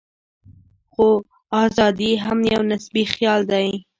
خو ازادي هم یو نسبي خیال دی.